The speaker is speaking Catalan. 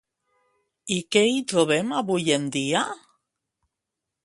I què hi trobem avui en dia?